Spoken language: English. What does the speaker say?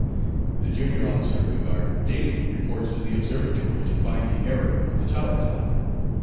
The junior officer of the guard daily reports to the observatory to find the error of the tower clock.